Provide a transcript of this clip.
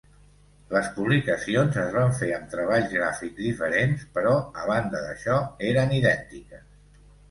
Les publicacions es van fer amb treballs gràfics diferents, però a banda d'això eren idèntiques.